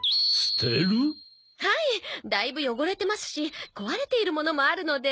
はいだいぶ汚れてますし壊れているものもあるので。